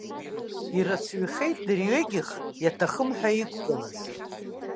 Ирацәаҩхеит дырҩегьых иаҭахым ҳәа иқәгылаз.